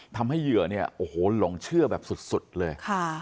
เหยื่อเนี่ยโอ้โหหลงเชื่อแบบสุดเลย